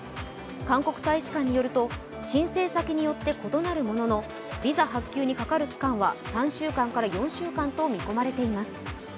韓国大使館によると、申請先によって異なるもののビザ発給にかかる期間は３週間から４週間と見込まれています。